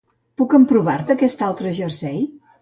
Puc emprovar-te aquest altre jersei?